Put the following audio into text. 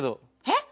えっ！